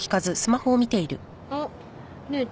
あっねえ